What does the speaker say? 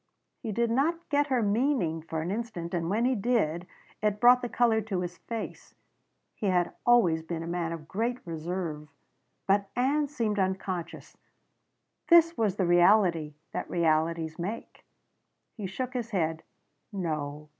He did not get her meaning for an instant and when he did it brought the color to his face; he had always been a man of great reserve. But Ann seemed unconscious. This was the reality that realities make. He shook his head. "No.